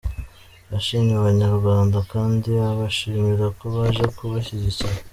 yashimye Abanyarwanda kandi ibashimira ko baje kubashyigikira.